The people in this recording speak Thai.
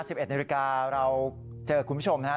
สิบเอ็ดนิวริกาเราเจอคุณผู้ชมนะฮะ